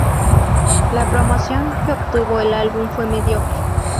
La promoción que obtuvo el álbum fue mediocre.